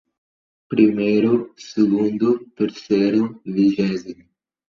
primeiro, segundo, terceiro, vigésimo